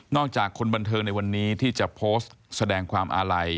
จากคนบันเทิงในวันนี้ที่จะโพสต์แสดงความอาลัย